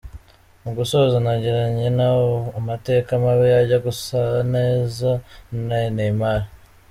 Mu gusoza nagiranye nabo amateka mabi ajya gusa neza n’aya Neymar.